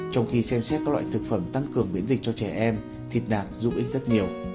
trong khi xem xét các loại thực phẩm tăng cường miễn dịch cho trẻ em thịt nạc giúp ích rất nhiều